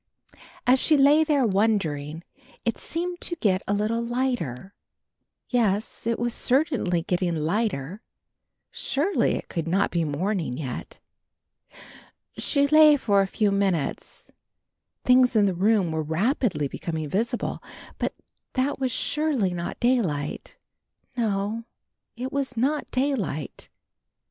As she lay there wondering, it seemed to get a little lighter. Yes, it was certainly getting lighter, surely it could not be morning yet. She lay for a few minutes, things in the room were rapidly becoming visible, but that was surely not daylight; no, it was not daylight.